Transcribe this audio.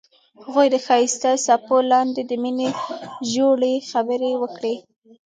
هغوی د ښایسته څپو لاندې د مینې ژورې خبرې وکړې.